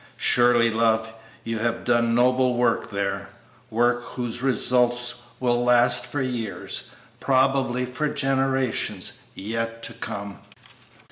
Surely, love, you have done noble work there; work whose results will last for years probably for generations yet to come!"